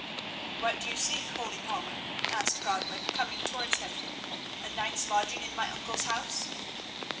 "What do you seek, holy palmer?" asked Godwin, coming towards him. "A night's lodging in my uncle's house?"